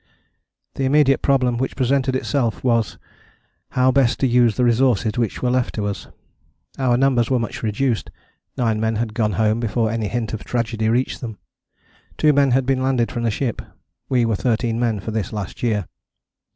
The immediate problem which presented itself was how best to use the resources which were left to us. Our numbers were much reduced. Nine men had gone home before any hint of tragedy reached them. Two men had been landed from the ship. We were thirteen men for this last year.